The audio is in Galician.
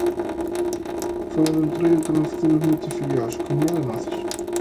Fóra do entroido tamén facemos moitas filloas, con mel e noces.